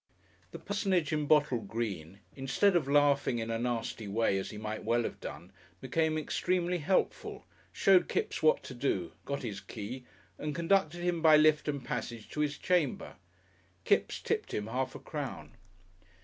The personage in bottle green, instead of laughing in a nasty way, as he might well have done, became extremely helpful, showed Kipps what to do, got his key, and conducted him by lift and passage to his chamber. Kipps tipped him half a crown.